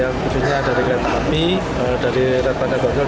khususnya dari kereta api dari retoran dan bantuan